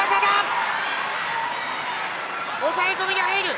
抑え込みに入った！